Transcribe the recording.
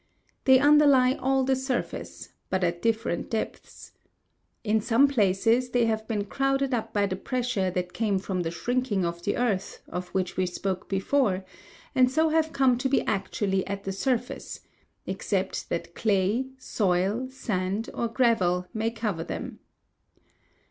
They underlie all the surface, but at different depths. In some places they have been crowded up by the pressure that came from the shrinking of the earth, of which we spoke before, and so have come to be actually at the surface, except that soil, clay, sand, or gravel may cover them.